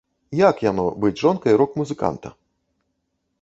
Як яно, быць жонкай рок-музыканта?